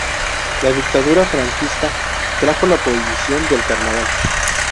La dictadura franquista trajo la prohibición del Carnaval.